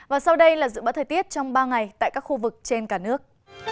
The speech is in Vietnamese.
và sau đây là dự báo thời tiết trong ba ngày tại các khu vực trên cả nước